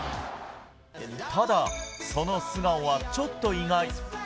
ただ、その素顔はちょっと意外。